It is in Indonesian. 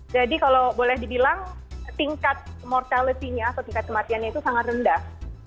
jadi kalau boleh dibilang tingkat mortality nya atau tingkat kematiannya itu sangat rendah